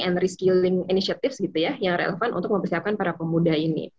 healing and reskilling inisiatif yang relevan untuk mempersiapkan para pemuda ini